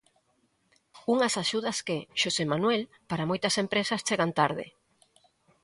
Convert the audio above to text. Unhas axudas que, Xosé Manuel, para moitas empresas chegan tarde.